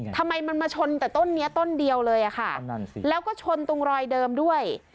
ทำไมมันมาชนแต่ต้นนี้ต้นเดียวเลยอะค่ะแล้วก็ชนตรงรอยเดิมด้วย